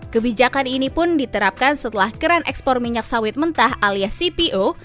kebijakan ini pun diterapkan setelah keran ekspor minyak sawit mentah alias cpo